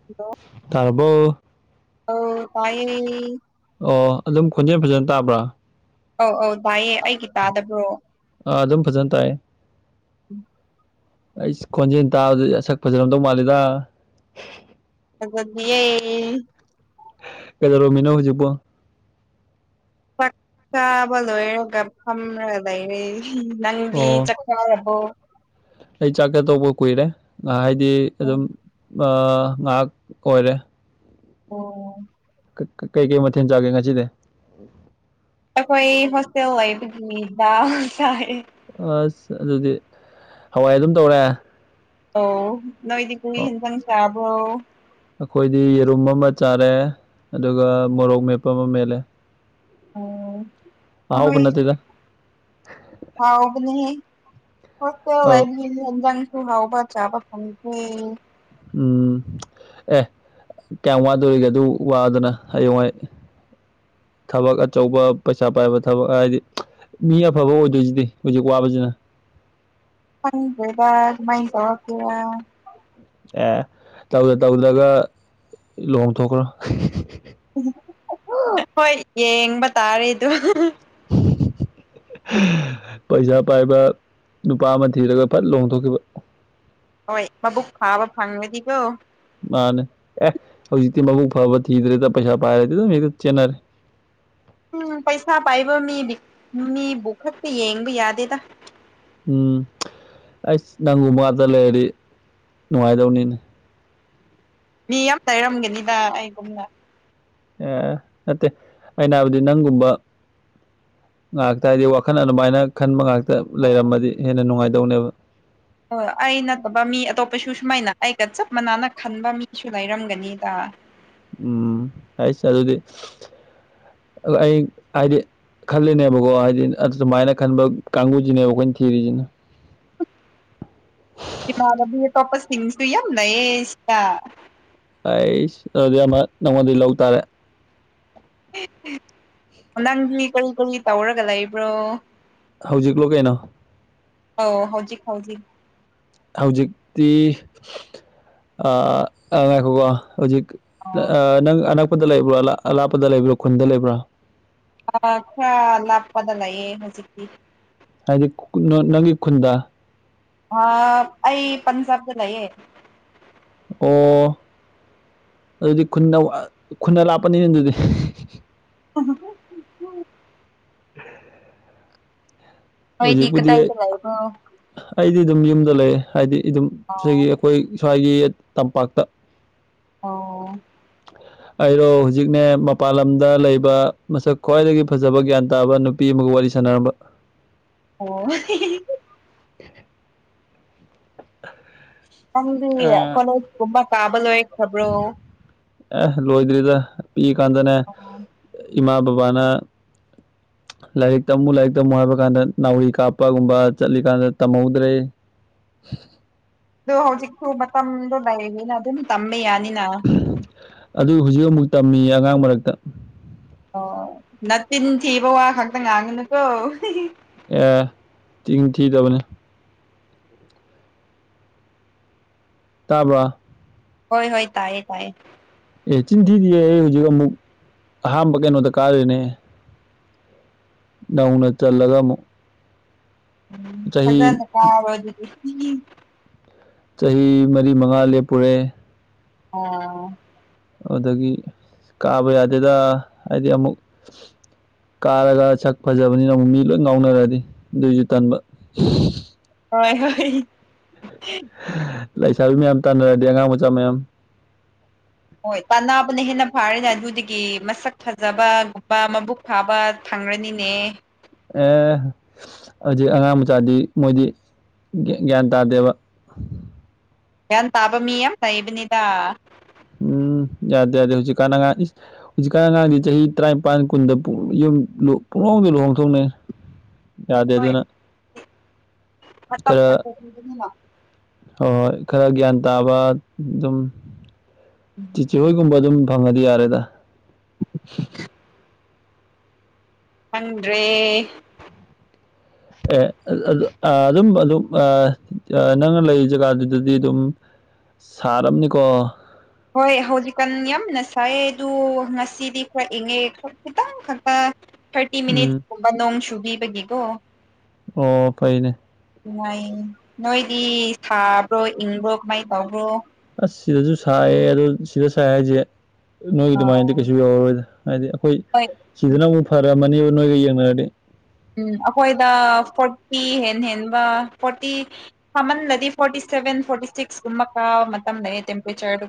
[unintelligible] ꯇꯥꯔꯕꯣ ꯑꯧ ꯇꯥꯏꯌꯦ ꯑꯣ ꯑꯗꯨꯝ ꯈꯣꯟꯖꯦꯜ ꯐꯖꯅ ꯇꯥꯕ꯭ꯔꯥ ꯑꯧ ꯑꯧ ꯇꯥꯏꯌꯦ ꯑꯩꯒꯤ ꯇꯥꯗꯕ꯭ꯔꯣ ꯑꯥ ꯑꯗꯨꯝ ꯐꯖꯅ ꯇꯥꯏꯌꯦ [unintelligible] ꯑꯩꯁ ꯈꯣꯟꯖꯦꯜ ꯇꯥꯕꯗꯗꯤ ꯑꯁꯛ ꯐꯖꯔꯝꯗꯧ ꯃꯥꯜꯂꯤꯗ ꯐꯖꯗꯤꯌꯦ ꯀꯩꯗꯧꯔꯝꯃꯤꯅꯣ ꯍꯧꯖꯤꯄꯨ ꯆꯥꯛ ꯆꯥꯕ ꯂꯣꯏꯔꯒ ꯐꯝꯔꯒ ꯂꯩꯔꯦ ꯅꯪꯗꯤ ꯑꯣ ꯆꯛ ꯆꯥꯔꯕꯣ ꯑꯩ ꯆꯥꯛꯆꯥ ꯇꯣꯛꯄ ꯀꯨꯏꯔꯦ ꯉꯥꯍꯥꯏꯗꯤ ꯑꯗꯨꯝ ꯑꯣ ꯉꯥꯏꯍꯥꯛ ꯑꯣꯏꯔꯦ ꯑꯣ ꯀꯥ ꯀꯩ ꯀꯩ ꯃꯊꯦꯜ ꯆꯥꯒꯦ ꯉꯁꯤꯗꯤ ꯑꯩꯈꯣꯏ ꯍꯣꯁꯇꯦꯜ ꯑꯣꯏꯒꯤ ꯕꯥ ꯆꯥꯏꯌꯦ ꯑꯁ ꯑꯗꯨꯗꯤ ꯍꯋꯥꯏ ꯑꯗꯨꯝ ꯇꯧꯔꯦ ꯑꯧ ꯅꯣꯏꯗꯤ ꯀꯔꯤ ꯑꯣ ꯍꯟꯖꯥꯡ ꯆꯕ꯭ꯔꯣ ꯑꯩꯈꯣꯏꯗꯤ ꯌꯦꯔꯨꯝ ꯑꯃ ꯆꯥꯔꯦ ꯑꯗꯨꯒ ꯃꯣꯔꯣꯛ ꯃꯦꯠꯄ ꯑꯃ ꯃꯦꯠꯂꯦ ꯑꯣ ꯑꯍꯥꯎꯕ ꯑꯍꯣꯏ ꯅꯠꯇꯦꯗ ꯍꯥꯎꯕꯅꯤꯍꯦ ꯍꯣꯁꯇꯦꯜ ꯑꯧ ꯂꯩꯕꯅꯤꯅ ꯏꯟꯖꯥꯡꯁꯨ ꯍꯥꯎꯕ ꯆꯥꯕ ꯐꯪꯗ꯭ꯔꯦ ꯎꯝ ꯑꯦ ꯀꯌꯥꯝ ꯋꯥꯗꯣꯔꯤꯒꯦ ꯑꯗꯨ ꯋꯥꯗꯅ ꯍꯌꯦꯡꯋꯥꯏ ꯊꯕꯛ ꯑꯆꯧꯕ ꯄꯩꯁꯥ ꯄꯥꯏꯕ ꯊꯕꯛ ꯍꯥꯏꯗꯤ ꯃꯤ ꯑꯐꯕ ꯑꯣꯏꯗꯣꯏꯁꯤꯗꯤ ꯍꯧꯖꯤꯛ ꯋꯥꯕꯖꯤꯅ ꯈꯪꯗꯦꯗ ꯑꯗꯨꯃꯥꯏ ꯇꯧꯔꯛꯀꯦꯔꯥ ꯑꯦ ꯇꯧꯗ ꯇꯧꯗ꯭ꯔꯒ ꯂꯨꯍꯣꯡꯊꯣꯛꯈ꯭ꯔꯣ ꯍꯣꯏ ꯌꯦꯡꯕ ꯇꯥꯔꯦꯗꯨ [unintelligible] ꯄꯩꯁꯥ ꯄꯥꯏꯕ ꯅꯨꯄꯥ ꯑꯃ ꯊꯤꯔꯒ ꯐꯠ ꯂꯣꯡꯊꯣꯛꯈꯤꯕ ꯍꯣꯏ ꯃꯕꯨꯛ ꯐꯥꯕ ꯐꯪꯉꯗꯤꯀꯣ ꯃꯥꯅꯦ ꯑꯦ ꯍꯧꯖꯤꯛꯇꯤ ꯃꯕꯨꯨꯛ ꯐꯕ ꯊꯤꯗ꯭ꯔꯦꯗ ꯄꯩꯁꯥ ꯄꯥꯏꯔꯗꯤ ꯑꯗꯨꯝ ꯍꯦꯛꯇ ꯆꯦꯟꯅꯔꯦ ꯎꯝ ꯄꯩꯁꯥ ꯄꯥꯏꯕ ꯃꯤꯗꯤ ꯃꯤꯕꯨ ꯈꯛꯇ ꯌꯦꯡꯕ ꯌꯥꯗꯦꯗ ꯎꯝ ꯑꯩꯁ ꯅꯪꯒꯨꯝꯕ ꯉꯥꯛꯇ ꯂꯩꯔꯗꯤ ꯅꯨꯡꯉꯥꯏꯗꯧꯅꯤꯅꯦ ꯃꯤ ꯌꯥꯝ ꯇꯩꯔꯝꯒꯅꯤꯗ ꯑꯩꯒꯨꯝꯅ ꯑꯦ ꯅꯠꯇꯦ ꯑꯩꯅ ꯍꯥꯏꯕꯗꯤ ꯅꯪꯒꯨꯝꯕ ꯉꯥꯛꯇ ꯍꯥꯏꯗꯤ ꯋꯥꯈꯜ ꯑꯗꯨꯃꯥꯏꯅ ꯈꯟꯕ ꯉꯥꯛꯇ ꯂꯩꯔꯝꯃꯗꯤ ꯍꯦꯟꯅ ꯅꯨꯡꯉꯥꯏꯗꯧꯅꯦꯕ ꯍꯣꯏ ꯑꯩ ꯅꯠꯇꯕ ꯃꯤ ꯑꯇꯣꯞꯄꯁꯨ ꯁꯨꯃꯥꯏꯅ ꯑꯩꯒ ꯆꯞ ꯃꯥꯟꯅꯅ ꯈꯟꯕ ꯃꯤꯁꯨ ꯂꯩꯔꯝꯒꯅꯤꯗ ꯎꯝ ꯍꯥꯏꯁ ꯑꯗꯨꯗꯤ ꯑꯗꯨ ꯑꯩ ꯍꯥꯏꯗꯤ ꯈꯜꯂꯤꯅꯦꯕꯀꯣ ꯍꯥꯏꯗꯤ ꯑꯖꯨꯃꯥꯏꯅ ꯈꯟꯕ ꯀꯥꯡꯒꯨꯖꯤꯅꯦꯕ ꯑꯩꯈꯣꯏꯅ ꯊꯤꯔꯤꯖꯤꯅ [inaudible] ꯏꯃꯥꯟꯅꯕꯤ ꯑꯇꯣꯞꯄꯁꯤꯡꯁꯨ ꯌꯥꯝ ꯂꯩꯌꯦ ꯏꯁꯤꯗ ꯑꯩꯁ ꯑꯗꯨꯗꯤ ꯑꯃ ꯅꯪꯉꯣꯟꯗꯩꯩ ꯂꯧ ꯇꯥꯔꯦ ꯅꯪꯒꯤ ꯀꯔꯤ ꯀꯔꯤ ꯇꯧꯔꯒ ꯂꯩꯕ꯭ꯔꯣ ꯍꯧꯖꯤꯛꯂꯣ ꯀꯩꯅꯣ ꯑꯧ ꯍꯧꯖꯤꯛ ꯍꯧꯖꯤꯛ ꯍꯧꯖꯤꯛꯇꯤ ꯑ ꯉꯥꯏꯈꯣꯀꯣ ꯍꯨꯖꯤꯛ ꯅ ꯑꯣ ꯑ ꯅꯪ ꯑꯅꯛꯄꯗ ꯂꯩꯕ꯭ꯔꯣ ꯑꯂꯥꯞ ꯑꯂꯥꯞꯄꯗ ꯂꯩꯕ꯭ꯔꯣ ꯈꯨꯟꯗ ꯂꯩꯕ꯭ꯔꯥ ꯑ ꯈ꯭ꯔ ꯂꯥꯛꯞꯄꯗ ꯂꯩꯌꯦ ꯍꯧꯖꯤꯛꯇꯤ ꯍꯥꯏꯗꯤ ꯀꯨꯟꯅ ꯅꯪꯒꯤ ꯈꯨꯟꯗ ꯑ ꯑꯩ ꯄꯟꯖꯥꯕꯇ ꯂꯩꯌꯦ ꯑꯣ ꯑꯗꯨꯗꯤ ꯈꯨꯟꯅꯧ ꯑ ꯈꯨꯟ ꯑꯂꯥꯞꯄꯅꯤꯅꯦ ꯑꯗꯨꯗꯤ [inaudible] ꯅꯣꯏꯗꯤ ꯍꯧꯖꯤꯛꯄꯨꯗꯤ ꯀꯗꯥꯏꯗ ꯂꯩꯕ꯭ꯔꯣ ꯑꯩꯗꯤ ꯑꯗꯨꯝ ꯌꯨꯝꯗ ꯂꯩ ꯍꯥꯏꯗꯤ ꯑꯗꯨꯝ ꯑꯣ ꯁꯤꯒꯤ ꯑꯩꯈꯣꯏ ꯁ꯭ꯋꯥꯏꯒꯤ ꯇꯝꯄꯥꯛꯇ ꯑꯧ ꯑꯣ ꯑꯩꯔꯣ ꯍꯨꯖꯤꯛꯅꯦ ꯃꯄꯥꯟ ꯂꯝꯗ ꯂꯩꯕ ꯃꯁꯛ ꯈ꯭ꯋꯥꯏꯗꯒꯤ ꯐꯖꯕ ꯒ꯭ꯌꯥꯟ ꯇꯥꯕ ꯅꯨ ꯄꯤ ꯑꯃꯒ ꯋꯥꯔꯤ ꯁꯥꯟꯅꯔꯝꯕ ꯑꯣ ꯅꯪꯗꯤ ꯀꯣꯂꯦꯖ ꯀꯨꯝꯕ ꯇꯥꯕ ꯂꯣꯏꯈ꯭ꯔꯕ꯭ꯔꯣ ꯑꯦ ꯂꯣꯏꯗ꯭ꯔꯤꯗ ꯄꯤꯛꯏꯀꯥꯟꯗꯅꯦ ꯑꯣ ꯏꯃꯥ ꯕꯕꯥꯅ ꯂꯥꯏꯔꯤꯛ ꯇꯝꯃꯨ ꯂꯥꯏꯔꯤꯛ ꯇꯝꯃꯨ ꯍꯥꯏꯕ ꯀꯥꯟꯗ ꯅꯥꯎꯔꯤ ꯀꯥꯞꯄꯒꯨꯝꯕ ꯆꯠꯂꯤꯀꯥꯟꯗ ꯇꯝꯍꯧꯗ꯭ꯔꯦ ꯑꯗꯨ ꯍꯧꯖꯤꯛꯁꯨꯨ ꯃꯇꯝꯗꯣ ꯂꯩꯔꯤꯅ ꯑꯗꯨꯝ ꯇꯝꯕ ꯌꯥꯅꯤꯅ ꯑꯗꯨ ꯍꯨꯖꯤꯛ ꯑꯃꯨꯛ ꯇꯝꯃꯤꯌꯦ ꯑꯉꯥꯡ ꯃꯔꯛꯇ ꯑꯣ ꯅ ꯇꯤꯟ ꯊꯤꯕ ꯋꯥ ꯈꯛꯇ ꯉꯥꯡꯉꯨꯅꯨꯀꯣ ꯑꯦ ꯇꯤꯡ ꯊꯤꯗꯕꯅꯦ ꯇꯥꯕ꯭ꯔꯣꯑꯥ ꯍꯣꯏ ꯍꯣꯏ ꯇꯥꯏꯌꯦ ꯇꯥꯏꯌꯦ ꯑꯦ ꯆꯤꯟ ꯊꯤꯗꯤꯌꯦ ꯑꯩ ꯍꯧꯖꯤꯛ ꯑꯃꯨꯛ ꯑꯍꯥꯝꯕ ꯀꯩꯅꯣꯗ ꯀꯥꯔꯤꯅꯦ ꯅꯧꯅ ꯆꯜꯂꯒ ꯑꯃꯨꯛ ꯎꯝ ꯆꯍꯤ ꯐꯖꯅ ꯀꯥꯔꯣ ꯑꯗꯨꯗꯤ ꯆꯍꯤ ꯃꯔꯤ ꯃꯉꯥ ꯂꯦꯞꯄꯨꯔꯦ ꯑꯣ ꯑꯗꯨꯗꯒꯤ ꯀꯥꯕ ꯌꯥꯗꯦꯗ ꯍꯥꯏꯗꯤ ꯑꯃꯨꯛ ꯀꯥꯔꯒ ꯁꯛ ꯐꯖꯕꯅꯤꯅ ꯑꯃꯨꯛ ꯃꯤ ꯂꯣꯏ ꯉꯥꯎꯅꯔꯗꯤ ꯑꯗꯨꯏꯁꯨ ꯇꯟꯕ ꯍꯣꯏ ꯍꯣꯏ ꯂꯩꯁꯥꯕꯤ ꯃꯌꯥꯝ ꯇꯥꯟꯅꯔꯗꯤ ꯑꯉꯥꯡ ꯃꯆꯥ ꯃꯌꯥꯝ ꯍꯣꯏ ꯇꯥꯕꯅ ꯍꯦꯟꯅ ꯐꯔꯤꯅꯦ ꯑꯗꯨꯗꯒꯤ ꯃꯁꯛ ꯐꯖꯕꯒꯨꯝꯕ ꯃꯕꯨꯛ ꯐꯕ ꯐꯡꯔꯅꯤꯅꯦ ꯑꯦ ꯍꯧꯖꯤꯛ ꯑꯉꯥꯡ ꯃꯆꯥꯗꯤ ꯃꯣꯏꯗꯤ ꯒ꯭ꯌꯥꯟ ꯇꯥꯗꯦꯕ ꯒꯌ꯭ꯥꯟ ꯇꯥꯕ ꯃꯤ ꯌꯥꯝ ꯂꯩꯕꯅꯤꯗ ꯎꯝ ꯌꯥꯗꯦ ꯌꯥꯗꯦ ꯍꯧꯖꯤꯛ ꯀꯥꯟꯅ ꯑꯉꯥꯡ ꯏꯁ ꯍꯧꯖꯤꯛꯀꯥꯟ ꯑꯉꯥꯡꯗꯤ ꯆꯍꯤ ꯇꯔꯥꯅꯤꯄꯥꯟ ꯀꯨꯟꯗ ꯌꯨꯝ ꯄꯨꯡꯍꯣꯡꯗ ꯂꯨꯍꯣꯡꯊꯣꯛꯅꯩ [inaudible] ꯍꯣꯏ ꯑꯗꯨꯅ ꯃꯇꯝ ꯈꯔ ꯐꯠꯇꯕꯅꯤꯅ ꯍꯣꯏ ꯈꯔ ꯒ꯭ꯌꯥꯟ ꯇꯥꯕ ꯑꯗꯨꯝ ꯆꯤꯆꯦ ꯍꯣꯏꯒꯨꯝꯕ ꯑꯗꯨꯝ ꯐꯡꯉꯗꯤ ꯌꯥꯔꯦꯗ [unintelligible] ꯈꯪꯗꯔꯦ ꯑꯦ ꯑꯗꯨꯝ ꯑꯗꯨꯝ ꯅꯪꯅ ꯂꯩ ꯖꯒꯥꯗꯨꯗꯗꯤ ꯑꯗꯨꯝ ꯁꯥꯔꯝꯅꯤꯀꯣ ꯍꯣꯏ ꯍꯧꯖꯤꯛꯀꯥꯟ ꯌꯥꯝꯅ ꯁꯥꯏꯌꯦ ꯑꯗꯨ ꯉꯁꯤꯗꯤ ꯈꯔ ꯏꯪꯉꯦ ꯈꯤꯇꯪ ꯈꯛꯇ ꯊꯥꯔꯇꯤ ꯎꯝ ꯃꯤꯅꯤꯠꯁꯀꯨꯝꯕ ꯅꯣꯡ ꯆꯨꯕꯤꯕꯒꯤꯀꯣ ꯑꯣ ꯐꯩꯅꯦ ꯅꯨꯡꯉꯥꯏ ꯅꯣꯏꯗꯤ ꯁꯥꯕ꯭ꯔꯣ ꯏꯪꯕ꯭ꯔꯣ ꯀꯃꯥꯏꯅ ꯇꯧꯕ꯭ꯔꯣ ꯑꯁ ꯁꯤꯗꯁꯨ ꯁꯥꯏꯌꯦ ꯑꯗꯣ ꯁꯤꯗ ꯁꯥꯏ ꯍꯥꯏꯁꯦ ꯅꯣꯏꯒꯤ ꯍꯣꯏ ꯑꯗꯨꯃꯥꯏꯅꯗꯤ ꯀꯩꯁꯨ ꯌꯧꯔꯔꯣꯏꯗ ꯍꯥꯏꯗꯤ ꯑꯩꯈꯣꯏ ꯎꯝ ꯁꯤꯗꯅ ꯑꯃꯨꯛ ꯐꯔꯝꯃꯅꯤꯕ ꯅꯣꯏꯒ ꯌꯦꯡꯅꯔꯗꯤ ꯎꯝ ꯑꯩꯈꯣꯏꯗ ꯐꯣꯔꯇꯤ ꯍꯦꯟ ꯍꯦꯟꯕ ꯐꯣꯔꯇꯤ ꯁꯃꯟꯂꯗꯤ ꯐꯣꯔꯇꯤ ꯁꯕꯦꯟ ꯐꯣꯔꯇꯤ ꯁꯤꯛꯁ ꯀꯨꯝꯕ ꯀꯥꯕ ꯃꯇꯝ ꯂꯩꯌꯦ ꯇꯦꯝꯄꯔꯦꯆꯔ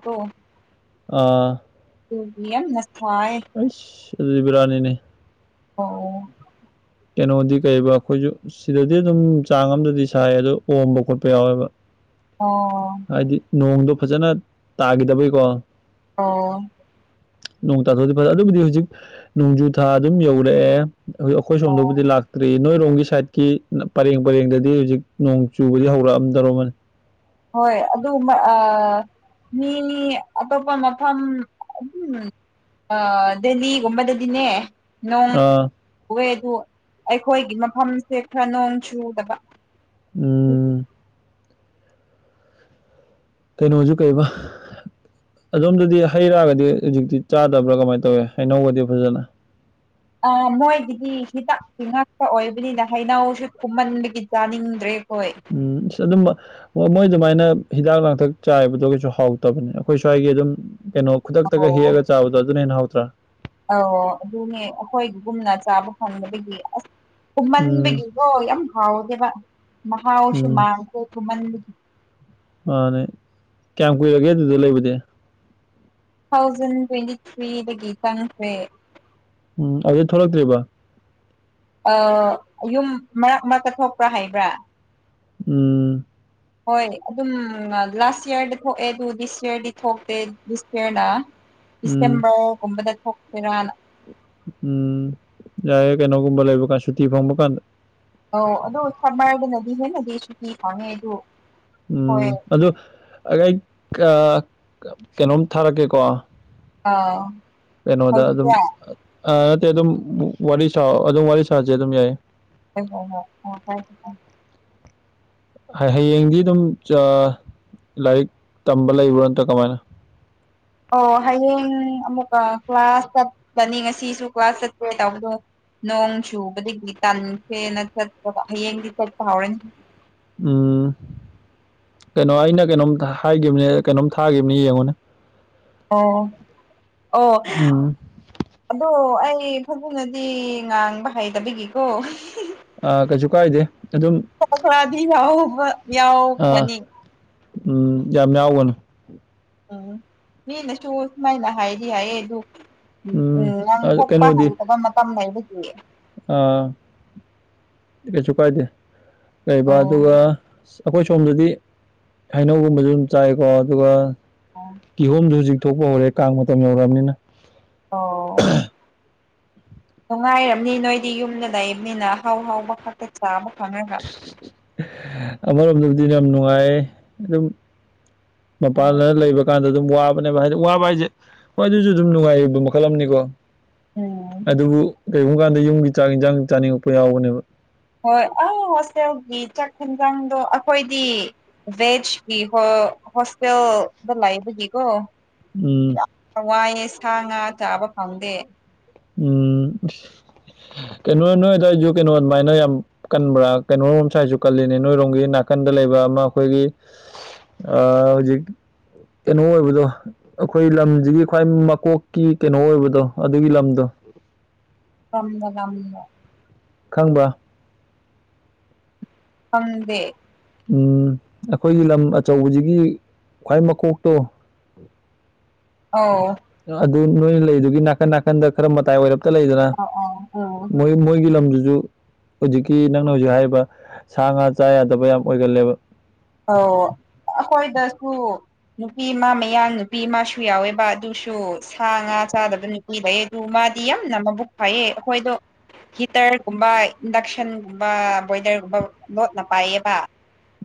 ꯑꯥ ꯑꯗꯨꯕꯨ ꯌꯥꯝꯅ ꯁꯥꯏꯌꯦ ꯑꯁ ꯑꯗꯨꯗꯤ ꯕꯦꯔꯥꯅꯤꯅꯦ ꯑꯣ ꯀꯩꯅꯣꯗꯤ ꯀꯩꯕ ꯑꯩꯈꯣꯏꯁꯨ ꯁꯤꯗꯗꯤ ꯑꯗꯨꯝ ꯆꯥꯡ ꯑꯃꯗꯗꯤ ꯁꯥꯏ ꯑꯗꯨ ꯑꯣꯝꯕ ꯈꯣꯠꯄ ꯌꯥꯎꯋꯦꯕ ꯑꯣ ꯍꯥꯏꯗꯤ ꯅꯣꯡꯗꯣ ꯐꯖꯅ ꯇꯥꯈꯤꯗꯕꯩꯀꯣ ꯑꯣ ꯅꯣꯡ ꯇꯥꯊꯣꯛꯑꯗꯤ ꯐꯖꯩ ꯑꯗꯨꯕꯨꯗꯤ ꯍꯧꯖꯤꯛ ꯅꯣꯡꯖꯨ ꯊꯥ ꯑꯗꯨꯝ ꯌꯧꯔꯛꯑꯦ ꯍꯧꯖꯤꯛ ꯑꯩꯈꯣꯏ ꯑꯣ ꯁꯣꯝꯗꯕꯨꯗꯤ ꯂꯥꯛ ꯇꯔꯤ ꯅꯣꯏꯔꯣꯝꯒꯤ ꯁꯥꯏꯠꯀꯤ ꯄꯔꯦꯡ ꯄꯔꯦꯡꯗꯗꯤ ꯍꯧꯖꯤꯛ ꯅꯣꯡ ꯆꯨꯕꯗꯤ ꯍꯧꯔꯛꯑꯝꯗꯧꯔꯃꯅꯤ ꯍꯣꯏ ꯑꯗꯨ ꯑ ꯃꯤ ꯑꯇꯣꯞꯄ ꯃꯐꯝ ꯑꯗꯨꯝ ꯑ ꯗꯦꯜꯂꯤꯒꯨꯝꯕꯗꯗꯤꯅꯦ ꯅꯣꯡ ꯑꯥ ꯆꯨꯋꯦ ꯑꯗꯨ ꯑꯩꯈꯣꯏꯒꯤ ꯃꯐꯝꯁꯦ ꯈꯔ ꯅꯣꯡ ꯆꯨꯗꯕ ꯎꯝ ꯑꯩꯒꯤ ꯀꯩꯅꯣꯁꯨ ꯀꯩꯕ ꯑꯗꯣꯝꯗꯗꯤ ꯍꯩꯔꯒꯗꯤ ꯍꯧꯖꯤꯛꯇꯤ ꯆꯥꯗꯕ꯭ꯔꯥ ꯀꯃꯥꯏꯅ ꯇꯧꯌꯤ ꯍꯩꯅꯧꯒꯗꯤ ꯐꯖꯅ ꯑ ꯃꯣꯏꯒꯤꯗꯤ ꯍꯤꯗꯥꯛꯀꯤ ꯉꯥꯛꯇ ꯑꯣꯏꯕꯅꯤꯅ ꯍꯩꯅꯧꯁꯨ ꯊꯨꯝꯃꯟꯕꯒꯤ ꯆꯥꯅꯤꯡꯗ꯭ꯔꯦ ꯈꯣꯏ ꯎꯝ ꯁꯏ ꯑꯗꯨꯝꯕ ꯃꯣꯏ ꯑꯗꯨꯃꯥꯏꯅ ꯍꯤꯗꯥꯛ ꯂꯥꯡꯊꯛ ꯆꯥꯏꯕꯗꯣ ꯀꯩꯁꯨ ꯍꯥꯎꯇꯕꯅꯦ ꯑꯩꯈꯣꯏ ꯁ꯭ꯋꯥꯏꯒꯤ ꯑꯗꯨꯝ ꯀꯩꯅꯣ ꯈꯨꯗꯛꯇꯒ ꯍꯦꯛꯑꯒ ꯆꯥꯎꯕꯗꯣ ꯑꯗꯨꯅ ꯍꯦꯟꯅ ꯍꯧꯗꯇꯔꯥ ꯑꯎ ꯑꯗꯨꯅꯦ ꯑꯩꯈꯣꯏꯒꯨꯝꯅ ꯆꯥꯕ ꯐꯪꯕꯗꯒꯤ ꯑꯁ ꯎꯝ ꯊꯨꯝꯃꯟꯕꯒꯤ ꯑꯣ ꯌꯥꯝ ꯍꯥꯎꯗꯦꯕ ꯃꯍꯥꯎꯁꯨ ꯎꯝ ꯃꯥꯡꯈꯦ ꯊꯨꯝꯃꯟꯕꯒꯤ ꯃꯥꯅꯦ ꯀꯌꯥꯝ ꯀꯨꯏꯔꯒꯦ ꯑꯗꯨꯗ ꯂꯩꯕꯗꯤ ꯇꯨ ꯊꯥꯎꯖꯟ ꯇ꯭ꯋꯦꯟꯇꯤ ꯊ꯭ꯔꯤꯗꯒꯤ ꯆꯪꯉꯛꯈ꯭ꯔꯦ ꯎꯝ ꯑꯗꯩ ꯊꯣꯛꯂꯛꯇ꯭ꯔꯤꯕꯣ ꯑ ꯌꯨꯝ ꯃꯔꯛ ꯃꯔꯛꯇ ꯊꯣꯛꯄ꯭ꯔꯥ ꯍꯥꯏꯕ꯭ꯔꯥ ꯎꯝ ꯍꯣꯏ ꯑꯗꯨꯝ ꯂꯥꯁ ꯏꯌꯔꯗ ꯊꯣꯛꯑꯦ ꯑꯗꯨ ꯗꯤꯁ ꯏꯌꯔꯗꯤ ꯊꯣꯛꯇꯦ ꯗꯤꯁ ꯏꯌꯔꯅ ꯎꯝ ꯗꯤꯁꯦꯝꯕꯔ ꯒꯨꯝꯕꯗ ꯊꯣꯛꯇꯣꯏꯔꯥꯅ ꯎꯝ ꯌꯥꯏꯌꯦ ꯀꯩꯅꯣꯒꯨꯝꯕ ꯂꯩꯕꯀꯥꯟ ꯁꯨꯇꯤ ꯐꯪꯕꯀꯥꯟꯗ ꯑꯧ ꯑꯗꯨ ꯁꯔꯃꯔꯗꯅꯗꯤ ꯍꯦꯟꯅꯗꯤ ꯁꯨꯇꯤ ꯐꯪꯉꯦ ꯑꯗꯨ ꯎꯝ ꯍꯣꯏ ꯑꯗꯨ ꯑꯩ ꯀ ꯀꯩꯅꯣꯝ ꯊꯥꯔꯛꯀꯦꯀꯣ ꯑꯧ ꯀꯩꯅꯣꯗ ꯑꯗꯨꯝ ꯑ ꯅꯠꯇꯦ ꯑꯗꯨꯝ ꯋꯥꯔꯤ ꯁꯥꯎ ꯑꯗꯨꯝ ꯋꯥꯔꯤ ꯁꯥꯁꯦ ꯑꯗꯨꯝ ꯌꯥꯏ [unintelligible] ꯍꯌꯦꯡꯗꯤ ꯑꯗꯨꯝ ꯆ ꯂꯥꯏꯔꯤꯛ ꯇꯝꯕ ꯂꯩꯕ꯭ꯔꯥ ꯅꯠꯇ꯭ꯔꯥ ꯀꯃꯥꯏꯅ ꯑꯣ ꯍꯌꯦꯡ ꯑꯃꯨꯛꯀ ꯀ꯭ꯂꯥꯁ ꯆꯠꯀꯅꯤ ꯉꯁꯤꯁꯨ ꯀ꯭ꯂꯥꯁ ꯆꯠꯀꯦ ꯇꯧꯕꯗꯣ ꯅꯣꯡ ꯆꯨꯕꯗꯒꯤ ꯇꯟꯈ꯭ꯔꯦꯅ ꯆꯠꯇꯕ ꯍꯌꯦꯡꯗꯤ ꯆꯠꯄ ꯍꯧꯔꯅꯤ ꯎꯝ ꯀꯩꯅꯣ ꯑꯩꯅ ꯀꯩꯅꯣꯝ ꯍꯥꯏꯒꯤꯕꯅꯦ ꯀꯩꯅꯣꯝ ꯊꯥꯒꯤꯕꯅꯤ ꯌꯦꯡꯉꯣꯅꯦ ꯑꯣ ꯑꯣ ꯍ ꯎꯝ ꯑꯗꯣ ꯑꯩ ꯐꯖꯅꯗꯤ ꯉꯥꯡꯕ ꯍꯩꯇꯕꯒꯤꯀꯣ ꯑꯥ ꯀꯩꯁꯨ ꯀꯥꯏꯗꯦ ꯑꯗꯨꯝ ꯈꯔ ꯈꯔꯗꯤ ꯌꯥꯎꯕ ꯑꯥ ꯌꯥꯎꯈ꯭ꯔꯅꯤ ꯎꯝ ꯌꯥꯝ ꯌꯥꯎꯒꯅꯨ ꯎꯝ ꯃꯤꯅꯁꯨ ꯁꯨꯃꯥꯏꯅ ꯍꯥꯏꯗꯤ ꯍꯥꯏꯌꯦ ꯑꯗꯨ ꯎꯝ ꯉꯥꯡꯊꯣꯛꯄ ꯍꯩꯇꯕ ꯃꯇꯝ ꯂꯩꯕꯒꯤ ꯑ ꯀꯩꯁꯨ ꯀꯥꯏꯗꯦ ꯀꯩꯕ ꯑꯣ ꯑꯗꯨꯒ ꯑꯩꯈꯣꯏ ꯁꯣꯝꯗꯗꯤ ꯍꯩꯅꯧꯒꯨꯝꯕꯁꯨ ꯑꯗꯨꯝ ꯆꯥꯏꯀꯣ ꯑꯗꯨꯒ ꯑꯣ ꯀꯤꯍꯣꯝꯗꯨ ꯍꯨꯖꯤꯛ ꯊꯣꯛꯄ ꯍꯧꯔꯦ ꯀꯥꯡ ꯃꯇꯝ ꯌꯧꯔꯛꯑꯕꯅꯤꯅ ꯑꯣ ꯅꯨꯡꯉꯥꯏꯔꯝꯅꯤ ꯅꯣꯏꯗꯤ ꯌꯨꯝꯗ ꯂꯩꯕꯅꯤꯅ ꯑꯍꯥꯎ ꯍꯥꯎꯕ ꯈꯛꯇ ꯆꯥꯕ ꯐꯪꯔꯒ ꯑꯃꯔꯣꯝꯗꯕꯨꯗꯤ ꯌꯥꯝ ꯅꯨꯡꯉꯥꯏ ꯑꯗꯨꯝ ꯎꯝ ꯃꯄꯥꯟꯗ ꯂꯩꯕ ꯀꯥꯟꯗ ꯑꯗꯨꯝ ꯋꯥꯕꯅꯦꯕ ꯍꯥꯏꯗꯤ ꯋꯥꯕ ꯍꯥꯏꯁꯦ ꯍꯣꯏ ꯑꯗꯨꯁꯨ ꯑꯗꯨꯝ ꯅꯨꯡꯉꯥꯏꯕ ꯃꯈꯜ ꯑꯃꯅꯤꯀꯣ ꯎꯝ ꯑꯗꯨꯕꯨ ꯀꯔꯤꯒꯨꯝꯕ ꯀꯥꯟꯗ ꯌꯨꯝꯒꯤ ꯆꯥꯛ ꯏꯟꯖꯥꯡ ꯆꯥꯅꯤꯡꯉꯛꯄ ꯌꯥꯎꯕꯅꯦꯕ ꯍꯣꯏ ꯑ ꯍꯣꯁꯇꯦꯜꯒꯤ ꯆꯥꯛ ꯍꯦꯟꯖꯥꯡꯗꯣ ꯑꯩꯈꯣꯏꯗꯤ ꯕꯦꯖꯒꯤ ꯍꯣ ꯍꯣꯁꯇꯦꯜꯗ ꯂꯩꯕꯒꯤꯒꯣ ꯎꯝ ꯍꯋꯥꯏ ꯁꯥ ꯉꯥ ꯆꯥꯕ ꯐꯪꯗꯦ ꯎꯝ ꯀꯩꯅꯣ ꯅꯣꯏ ꯑꯗꯨꯋꯥꯏꯁꯨ ꯀꯩꯅꯣ ꯑꯗꯨꯃꯥꯏꯅ ꯌꯥꯝ ꯀꯟꯕ꯭ꯔꯥ ꯀꯩꯅꯣꯔꯣꯝ ꯁꯥꯏꯗꯁꯨ ꯀꯜꯂꯤꯅꯦ ꯅꯣꯏꯔꯣꯝꯒꯤ ꯅꯥꯀꯥꯟꯗ ꯂꯩꯕ ꯑꯃ ꯑꯩꯈꯣꯏꯒꯤ ꯑ ꯍꯧꯖꯤꯛ ꯀꯩꯅꯣ ꯑꯣꯏꯕꯗꯣ ꯑꯩꯈꯣꯏ ꯂꯝꯁꯤꯒꯤ ꯈ꯭ꯋꯥꯏ ꯃꯀꯣꯛꯀꯤ ꯀꯩꯅꯣ ꯑꯣꯏꯕꯗꯣ ꯑꯗꯨꯒꯤ ꯂꯝ ꯗꯣ ꯀꯔꯝꯕ ꯂꯝꯅꯣ ꯈꯪꯕ꯭ꯔ ꯈꯪꯗꯦ ꯎꯝ ꯑꯈꯣꯏꯒꯤ ꯂꯝ ꯑꯆꯧꯕꯁꯤꯒꯤ ꯈ꯭ꯋꯥꯏ ꯃꯀꯣꯛꯇꯣ ꯑꯧ ꯑꯗꯨ ꯅꯣꯏꯅ ꯂꯩꯗꯨꯒꯤ ꯅꯥꯀꯟ ꯅꯥꯀꯟꯗ ꯈꯔ ꯃꯇꯥꯏ ꯑꯣꯏꯔꯞ ꯇ ꯂꯩꯗꯅ ꯑꯥ ꯑꯥ ꯃꯣꯏ ꯃꯣꯏꯒꯤ ꯂꯝꯗꯨꯁꯨ ꯍꯨꯖꯤꯛꯀꯤ ꯅꯪꯅ ꯍꯧꯖꯤꯛ ꯍꯥꯏꯔꯤꯕ ꯁꯥ ꯉꯥ ꯆꯥ ꯌꯥꯗꯕ ꯌꯥꯝ ꯑꯣꯏꯒꯜꯂꯦꯕ ꯑꯧ ꯑꯈꯣꯏꯗꯁꯨ ꯅꯨꯄꯤ ꯑꯃ ꯃꯌꯥꯡ ꯅꯨꯄꯤꯃꯁꯨ ꯌꯥꯎꯋꯦꯕ ꯑꯗꯨꯁꯨ ꯁꯥ ꯉꯥ ꯆꯥꯗꯕ ꯅꯨ ꯃꯤ ꯐꯩꯌꯦ ꯑꯗꯨ ꯃꯥꯗꯤ ꯌꯥꯝꯅ ꯃꯕꯨꯛ ꯐꯩꯌꯦ ꯑꯩꯈꯣꯏꯗꯣ꯫ ꯍꯤꯇ꯭ꯔꯒꯨꯝꯕ ꯏꯟꯗꯛꯁꯟꯒꯨꯝꯕ ꯕꯣꯏꯂ꯭ꯔꯒꯨꯝꯕ ꯂꯣꯠꯅ ꯄꯥꯏꯌꯦꯕ꯫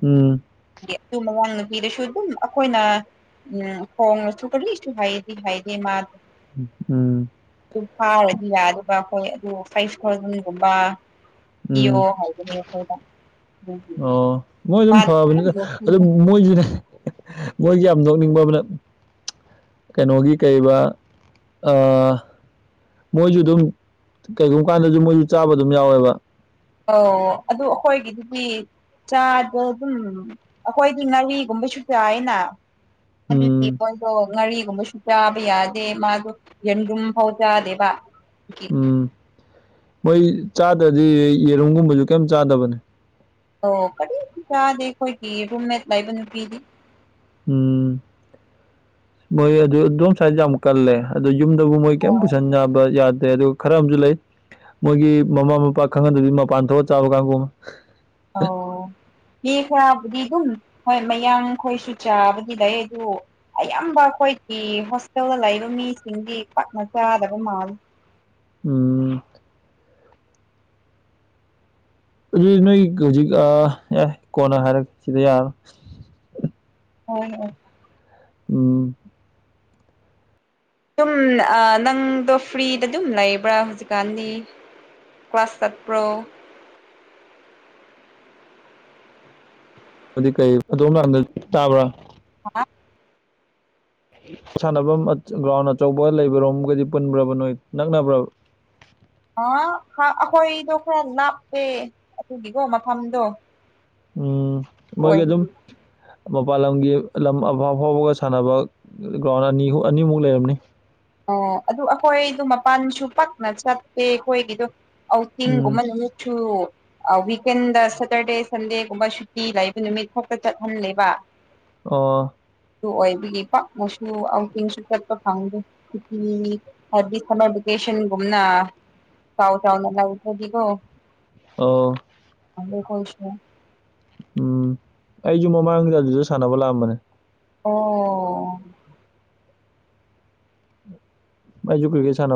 ꯎꯝ꯫ ꯒꯤ ꯑꯗꯨ ꯃꯃꯧ ꯅꯨꯄꯤꯗꯁꯨ ꯑꯗꯨꯝ ꯑꯩꯈꯣꯏꯅ꯫ ꯎꯝ ꯐꯣꯡꯉꯁꯨ ꯀꯔꯤꯁꯨ ꯍꯥꯏꯗꯤ ꯍꯥꯏꯗꯤ ꯃꯥ ꯎꯝ꯫ ꯑꯗꯨ ꯐꯥꯔꯗꯤ ꯌꯥꯗꯕ ꯍꯣꯏ ꯑꯗꯨ ꯐꯥꯏꯚ ꯊꯥꯎꯖꯟꯒꯨꯝꯕ꯫ ꯄꯤꯌꯣ ꯎꯝ ꯍꯥꯏꯕꯅꯦ ꯑꯩꯈꯣꯏꯗ꯫ ꯑꯗꯨꯒꯤ ꯑꯣ ꯃꯣꯏ ꯑꯗꯨꯝ ꯃꯥꯅ ꯐꯕꯅꯤꯗ ꯌꯣꯛꯄꯤ ꯑꯗꯨ ꯃꯣꯏꯖꯨꯅꯦ꯫ ꯃꯣꯏꯒꯤ ꯌꯥꯝ ꯅꯣꯛꯅꯤꯡꯕ ꯑꯃꯅ__ ꯀꯩꯅꯣꯒꯤ ꯀꯩꯕ ꯑꯥ꯫ ꯃꯣꯏꯁꯨ ꯑꯗꯨꯝ ꯀꯩꯒꯨꯝꯕ ꯀꯥꯟꯗꯁꯨ ꯃꯣꯏꯁꯨ ꯆꯥꯕ ꯑꯗꯨꯝ ꯌꯥꯎꯋꯦꯕ꯫ ꯑꯧ ꯑꯗꯨ ꯑꯩꯈꯣꯏꯒꯤꯗꯨꯗꯤ꯫ ꯆꯥꯗ ꯑꯗꯨꯝ ꯑꯩꯈꯣꯏꯗꯤ ꯉꯥꯔꯤꯒꯨꯝꯕꯁꯨ ꯆꯥꯏꯅꯦꯅ ꯑꯗꯨꯒꯤ ꯎꯝ ꯃꯣꯏ__ ꯑꯗꯣ ꯉꯥꯔꯤꯒꯨꯝꯕꯁꯨ ꯆꯥꯕ ꯌꯥꯗꯦ ꯃꯥꯗꯣ ꯌꯦꯟꯔꯨꯝ ꯐꯥꯎ ꯆꯥꯗꯦꯕ꯫ ꯎꯝ ꯃꯣꯏ ꯆꯥꯗ꯭ꯔꯗꯤ ꯌꯦꯟꯔꯨꯝꯒꯨꯝꯕꯁꯨ ꯀꯩꯝ ꯆꯥꯗꯕꯅꯤ꯫ ꯑꯗꯣ ꯀꯔꯤꯝ ꯆꯥꯗꯦ ꯑꯩꯈꯣꯏꯒꯤ ꯔꯨꯝꯃꯦꯠ ꯂꯩꯕ ꯅꯨꯄꯤꯗꯤ꯫ ꯎꯝ ꯃꯣꯏ ꯑꯗꯨ ꯑꯗꯣꯝ ꯁꯥꯏꯗ ꯌꯥꯝ ꯀꯜꯂꯦ ꯑꯗꯨ ꯌꯨꯝꯗꯕꯥꯎ ꯃꯣꯏ ꯀꯩꯝ ꯍꯣꯏ ꯄꯨꯁꯟꯕ ꯌꯥꯗꯦ ꯑꯗꯨ ꯈꯔ ꯑꯃꯁꯨ ꯂꯩ ꯃꯣꯏꯒꯤ ꯃꯃꯥ ꯃꯄꯥ ꯈꯪꯍꯟꯗꯕꯤ ꯃꯄꯥꯟ ꯊꯣꯛꯑ ꯆꯥꯕ ꯀꯥꯡꯕꯨ ꯑꯃ꯫ ꯑꯧ꯫ ꯃꯤ ꯈꯔꯕꯨꯗꯤ ꯑꯗꯨꯝ ꯍꯣꯏ ꯃꯌꯥꯡꯈꯣꯏꯁꯨ ꯆꯥꯕꯗꯤ ꯂꯩꯌꯦ ꯑꯗꯨ꯫ ꯑꯌꯥꯝꯕ ꯑꯩꯈꯣꯏꯒꯤ ꯍꯣꯁꯇꯦꯜꯗ ꯂꯩꯕ ꯃꯤꯁꯤꯡꯗꯤ ꯄꯥꯛꯅ ꯆꯥꯗꯕ ꯃꯥꯜꯂꯦ꯫ ꯎꯝ꯫ ꯑꯗꯨꯗꯤ ꯅꯣꯏ ꯍꯧꯖꯤꯛ ꯌꯥꯔꯦ ꯀꯣꯟꯅ ꯍꯥꯏꯔꯒꯦ ꯁꯤꯗ ꯌꯥꯔꯔꯣꯏ꯫ ꯍꯣꯏ ꯍꯣꯏ꯫ ꯎꯝ꯫ ꯑꯗꯨꯝ ꯑꯥ ꯅꯪꯗꯣ ꯐ꯭ꯔꯤꯗ ꯑꯗꯨꯝ ꯂꯩꯕ꯭ꯔꯥ ꯍꯧꯖꯤꯛꯀꯥꯟꯗꯤ꯫ ꯀ꯭ꯂꯥꯁ ꯆꯠꯄ꯭ꯔꯣ꯫ ꯑꯗꯨ ꯀꯩ ꯑꯗꯣꯝ ꯂꯥꯡꯗ ꯇꯥꯕ꯭ꯔꯥ [unintelligible] ꯁꯥꯟꯅꯕꯝ ꯒ꯭ꯔꯥꯎꯟ ꯑꯆꯧꯕ ꯂꯩꯕꯔꯣꯝꯒꯥꯗꯤ ꯄꯨꯟꯕ꯭ꯔꯥꯕ ꯅꯣꯏ ꯅꯛꯅꯕ꯭ꯔꯥꯕ ꯍꯥ ꯈꯥ ꯑꯈꯣꯏꯗꯣ ꯈꯔ ꯂꯥꯞꯄꯦ ꯑꯗꯨꯒꯤꯀꯣ ꯃꯐꯝꯗꯣ ꯎꯝ ꯃꯣꯏꯒꯤ ꯑꯗꯨꯝ ꯑꯣꯏꯕꯒꯤ ꯃꯄꯥꯟ ꯂꯝꯒꯤ ꯂꯝ ꯑꯐꯥꯎ ꯑꯐꯥꯎꯕꯒꯥ ꯁꯥꯟꯅꯕ ꯒ꯭ꯔꯥꯎꯟ ꯑꯅꯤꯍꯨ ꯑꯅꯤꯃꯨꯛ ꯂꯩꯔꯝꯅꯤ ꯑꯥ ꯑꯗꯨ ꯑꯈꯣꯏꯗꯣ ꯃꯄꯥꯟꯁꯨ ꯄꯛꯅ ꯆꯠꯇꯦ ꯑꯈꯣꯏꯒꯤꯗꯣ ꯎꯝ ꯑꯥꯎꯠꯇꯤꯡꯒꯨꯝꯕ ꯅꯨꯃꯤꯠꯁꯨ ꯑꯥ ꯋꯤꯀꯦꯟꯗꯥ ꯁꯦꯇꯔꯗꯦ ꯁꯟꯗꯦꯒꯨꯝꯕ ꯁꯨꯇꯤ ꯂꯩꯕ ꯅꯨꯃꯤꯠ ꯈꯛꯇꯥ ꯆꯠꯍꯟꯂꯦꯕ ꯑꯣ ꯑꯗꯨ ꯑꯣꯏꯕꯒꯤ ꯄꯥꯛꯅꯁꯨ ꯑꯥꯎꯇꯤꯡꯁꯨ ꯆꯠꯄ ꯐꯪꯗꯦ ꯄꯤꯀꯤꯅꯤꯛ ꯍꯥꯏꯕꯗꯤ ꯁꯥꯃꯔ ꯕꯤꯀꯦꯁꯟꯒꯨꯝꯅ ꯆꯥꯎ ꯆꯥꯎꯅꯥ ꯂꯩꯈ꯭ꯔꯥꯗꯤꯒꯣ ꯑꯣ ꯑꯗꯨ ꯍꯣꯏꯁꯨ ꯎꯝ ꯑꯩꯖꯨ ꯃꯃꯥꯡꯗ ꯑꯗꯨꯗ ꯁꯥꯟꯅꯕ ꯂꯥꯛꯑꯝꯕꯅꯦ ꯑꯣ ꯑꯩꯥꯖꯨ ꯀ꯭ꯔꯤꯀꯦꯠ ꯁꯥꯟꯅꯕ